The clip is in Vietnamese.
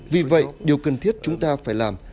vì vậy điều cần thiết chúng ta phải làm